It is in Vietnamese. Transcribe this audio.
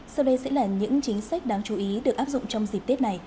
sau đây sẽ là những chính sách đáng chú ý được áp dụng trong dịp tết này